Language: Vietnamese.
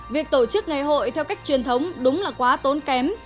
việc tổ chức ngày hội theo cách truyền thống đúng là quá tốn kém